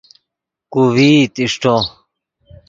کو ڤئیت اݰٹو